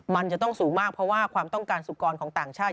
มันจะต้องสูงมากเพราะว่าความต้องการสุกรของต่างชาติ